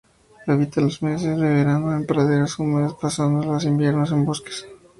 Habita los meses de verano en praderas húmedas pasando los inviernos en bosques.